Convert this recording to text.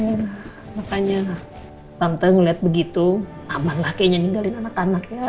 nah makanya tante ngeliat begitu aman lah kayaknya ninggalin anak anak ya